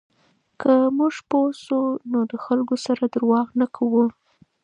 که موږ پوه شو، نو د خلکو سره درواغ نه کوو.